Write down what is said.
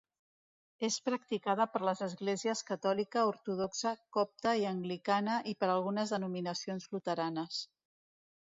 És practicada per les esglésies Catòlica, Ortodoxa, Copta i Anglicana i per algunes denominacions luteranes.